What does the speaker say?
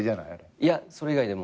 いやそれ以外でも。